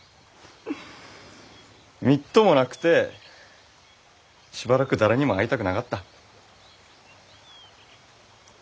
みっともなくてしばらく誰にも会いたくなかった。